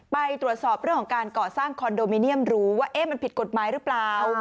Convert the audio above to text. ไปตรวจสอบเรื่องของการก่อสร้างคอนโดมิเนียมรู้ว่ามันผิดกฎหมายหรือเปล่า